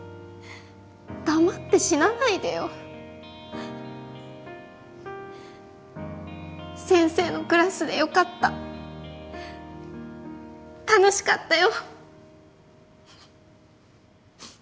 黙って死なないでよ先生のクラスでよかった楽しかったよ